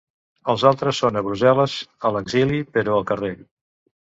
Els altres són a Brussel·les, a l’exili però al carrer.